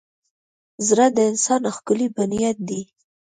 زړه د انسان ښکلی بنیاد دی.